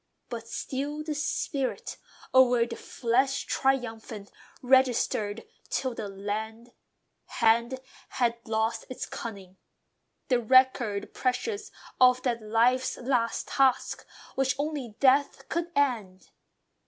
But still the spirit, o'er the flesh triumphant, Registered till the "hand had lost its cunning," The record precious of that life's last task, Which only death could end....